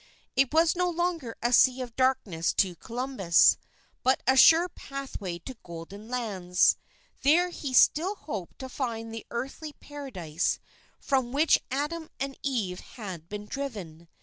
It was no longer a Sea of Darkness to Columbus, but a sure pathway to golden lands. There he still hoped to find the Earthly Paradise from which Adam and Eve had been driven.